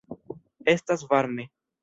Estas varme.